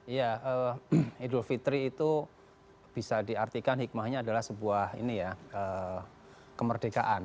ya idul fitri itu bisa diartikan hikmahnya adalah sebuah kemerdekaan